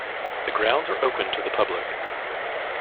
The grounds are open to the public.